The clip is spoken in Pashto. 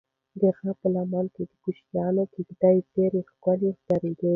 د غره په لمنه کې د کوچیانو کيږدۍ ډېرې ښکلي ښکاري.